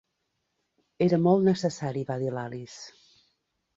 "Era molt necessari" va dir l'Alice.